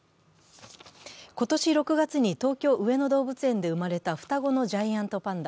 今年６月に東京・上野動物園で生まれた双子のジャイアントパンダ。